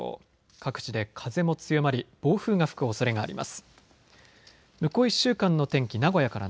各地で風も強まり暴風が吹くおそれがあります。